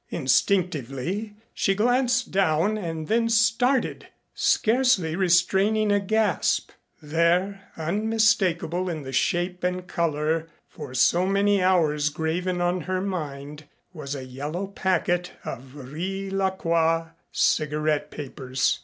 Instinctively she glanced down and then started scarcely restraining a gasp. There, unmistakable in the shape and color for so many hours graven on her mind, was a yellow packet of Riz la Croix cigarette papers.